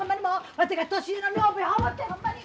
わてが年上の女房や思てほんまに。